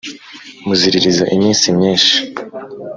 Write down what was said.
Muziririza iminsi myinshi